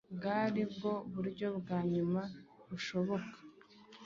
bwari bwo buryo bwa nyuma bushoboka